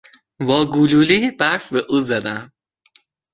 با گلولهی برف به او زدم.